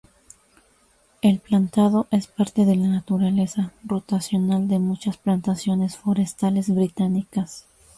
El plantado es parte de la naturaleza rotacional de muchas plantaciones forestales británicas.